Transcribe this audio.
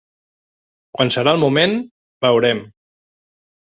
Quan serà el moment, veurem.